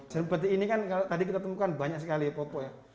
seperti ini kan tadi kita temukan banyak sekali popok ya